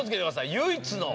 唯一の。